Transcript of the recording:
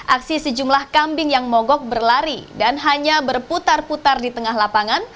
aksi sejumlah kambing yang mogok berlari dan hanya berputar putar di tengah lapangan